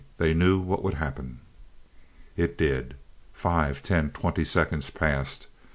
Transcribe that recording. They knew what would happen. It did. Five ten twenty seconds passed.